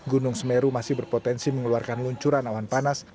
gunung semeru masih berpotensi mengeluarkan luncuran awan panas